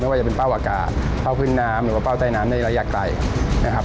ว่าจะเป็นเป้าอากาศเป้าขึ้นน้ำหรือว่าเป้าใต้น้ำในระยะไกลนะครับ